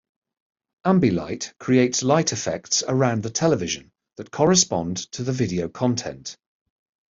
Ambilight creates light effects around the television that correspond to the video content.